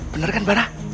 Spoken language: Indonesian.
bener kan barak